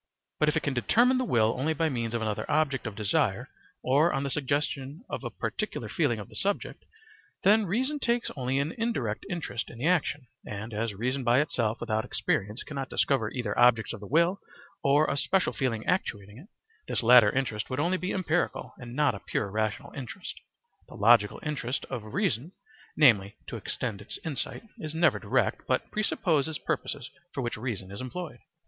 But if it can determine the will only by means of another object of desire or on the suggestion of a particular feeling of the subject, then reason takes only an indirect interest in the action, and, as reason by itself without experience cannot discover either objects of the will or a special feeling actuating it, this latter interest would only be empirical and not a pure rational interest. The logical interest of reason (namely, to extend its insight) is never direct, but presupposes purposes for which reason is employed.